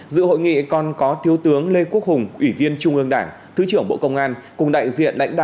dự hội nghị còn có thiếu tướng lê quốc hùng ủy viên trung ương đảng